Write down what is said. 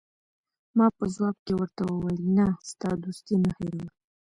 ما په ځواب کې ورته وویل: نه، ستا دوستي نه هیروم.